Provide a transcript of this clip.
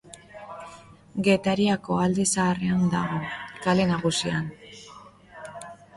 Getariako Alde Zaharrean dago, Kale Nagusian.